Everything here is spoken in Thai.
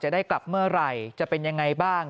ได้กลับเมื่อไหร่จะเป็นยังไงบ้าง